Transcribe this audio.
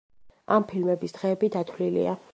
ამ ფილმების დღეები დათვლილია.